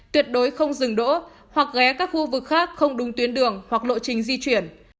tuyệt đối không dừng đỗ hoặc ghé các khu vực khác không đúng tuyến đường hoặc lộ trình di chuyển